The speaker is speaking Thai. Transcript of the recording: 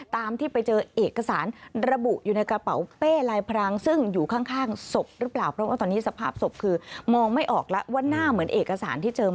ที่เจอไม้รอยญาติตัวดีเอ็นเอนะคะ